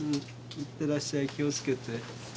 行ってらっしゃい気を付けて。